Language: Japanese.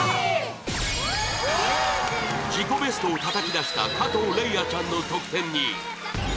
自己ベストを叩き出した加藤礼愛ちゃんの得点にＡ